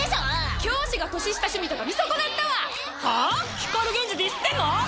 光源氏ディスってんの？